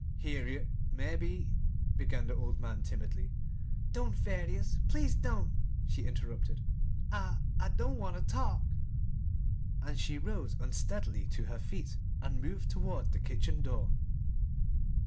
"Harriet, mebbe " began the old man timidly. "Don't, Thaddeus please don't!" she interrupted. "I I don't want ter talk." And she rose unsteadily to her feet and moved toward the kitchen door.